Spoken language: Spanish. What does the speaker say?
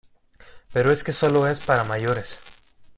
pero es que solo es para mayores.